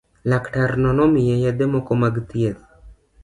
Laktarno nomiye yedhe moko mag thieth.